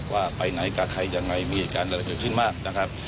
ว่าไปไหนกับใครมีเหตุการณ์ใดขึ้นมาก